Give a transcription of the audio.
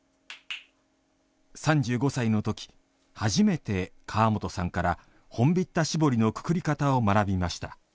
３５歳の時初めて川本さんから本疋田絞りのくくり方を学びました。